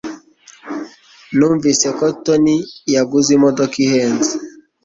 Numvise ko Tony yaguze imodoka ihenze.